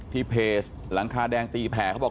เพจหลังคาแดงตีแผ่เขาบอก